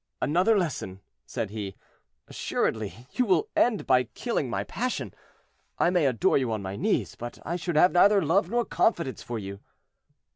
"Another lesson," said he. "Assuredly you will end by killing my passion. I may adore you on my knees; but I should have neither love nor confidence for you."